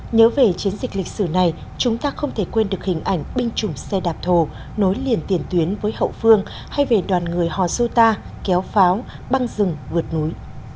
nhớ về chiến dịch lịch sử này chúng ta không thể quên được hình ảnh binh chủng xe đạp thổ nối liền tiền tuyến với hậu phương hay về đoàn người hò xu ta kéo pháo băng rừng vượt núi